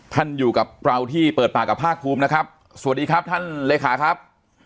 อยู่กับเราที่เปิดปากกับภาคภูมินะครับสวัสดีครับท่านเลขาครับ